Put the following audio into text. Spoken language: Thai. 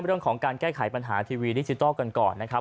เรื่องของการแก้ไขปัญหาทีวีดิจิทัลกันก่อนนะครับ